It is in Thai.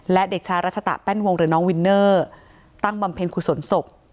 และเด็กชายรัชตะแป้นวงหรือน้องวินเนอร์ตั้งบำเพ็ญกุศลศพ